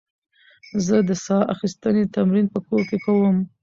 زه د ساه اخیستنې تمرین په کور کې کوم.